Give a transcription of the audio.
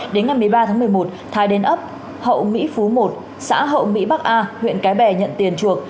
đến ngày một mươi ba tháng một mươi một thái đến ấp hậu mỹ phú một xã hậu mỹ bắc a huyện cái bè nhận tiền chuộc